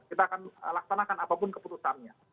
kita akan laksanakan apapun keputusannya